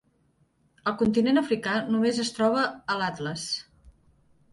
Al continent africà només es troba a l'Atles.